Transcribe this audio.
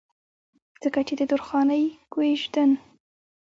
ځکه چې د درخانۍ کويژدن